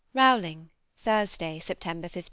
ROWLING, Thursday (September 15).